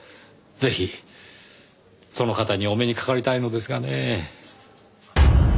ぜひその方にお目にかかりたいのですがねぇ。